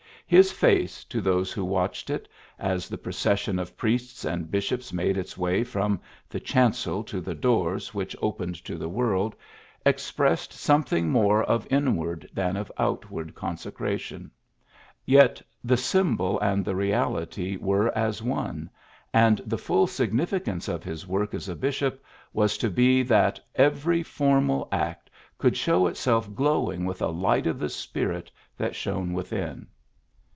His face, to those who watched it as the i^rocession of priests and bishojDS made its way from the chancel to the doors which opened W 104 PHILLIPS BROOKS to the world, expressed something more of inward than of outward consecration. Yet the symbol and the reality were as one, and the full significance of his work as a bishop was to be that every formal act could show itself glowing with a light of the spirit that shone within.